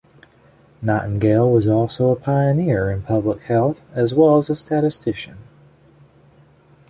Nightingale was also a pioneer in public health as well as a statistician.